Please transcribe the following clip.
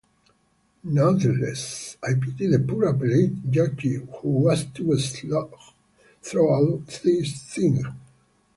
Nonetheless, I pity the poor appellate judge who has to slog through this thing.